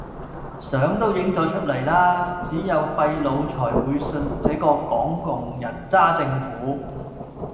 相都影咗出來啦！只有廢腦才會信這個港共人渣政府